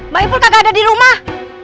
bang ipul kagak ada di rumah